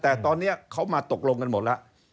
แต่ตอนนี้เขามาตกลงกันหมดแล้ว